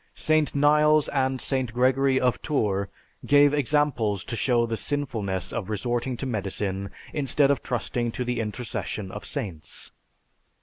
St. Niles and St. Gregory of Tours gave examples to show the sinfulness of resorting to medicine instead of trusting to the intercession of saints.